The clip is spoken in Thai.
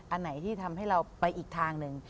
อันไหนที่ทำให้เราไปอีกทางหนึ่ง